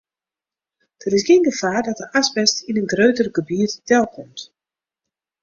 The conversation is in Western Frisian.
Der is gjin gefaar dat de asbest yn in grutter gebiet delkomt.